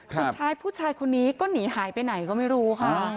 สุดท้ายผู้ชายคนนี้ก็หนีหายไปไหนก็ไม่รู้ค่ะ